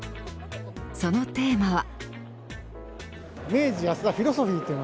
そのテーマは。